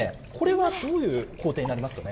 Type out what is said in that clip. これはどういう工程になりますかね。